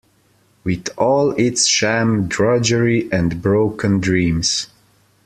With all its sham, drudgery and broken dreams